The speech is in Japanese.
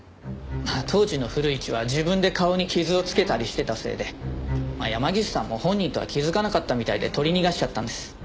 まあ当時の古市は自分で顔に傷を付けたりしてたせいで山岸さんも本人とは気づかなかったみたいで取り逃がしちゃったんです。